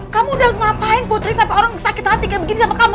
kamu udah ngapain putri sampai orang sakit hati kayak begini sama kamu